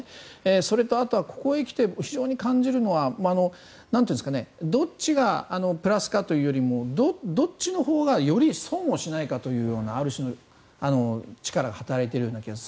それと、あとはここへ来て非常に感じるのはどっちがプラスかというよりもどっちのほうがより損をしないというようなある種の力が働いているような気がする。